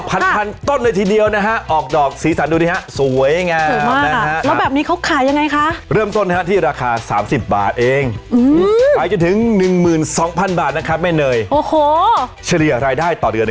พันธุ์ต้นเลยทีเดียวนะฮะออกดอกสีสันดูดิฮะสวยงามนะฮะ